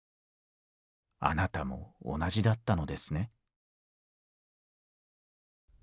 あなたも同じだったのですね」。